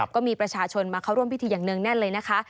ก็มีประชาชนมาเข้าร่วมพิธีอย่างเนื่องแน่นเลยนะคะ